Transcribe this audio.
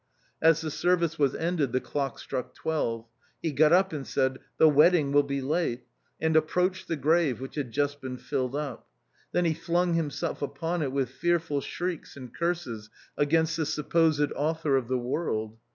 As the service was ended, the clock struck twelve. He got up and said, " The wedding will be late !" and approached the grave which had just been filled up. Then he flung himself upon it with fearful shrieks and curses against the supposed Author of the world.